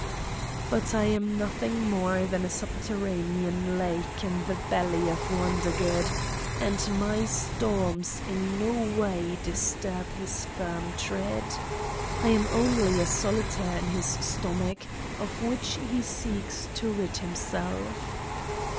But I am nothing more than a subterraneai lake in the belly of Wondergood and my stoi in no way disturb his firm tread. I am only a solitaire in his stomach, of which he seeks to rid himself